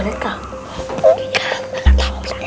nggak ada kakak